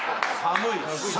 寒い⁉